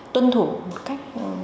tuân thủ một cách